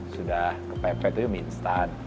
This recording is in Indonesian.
sudah kepepet itu ya mie instan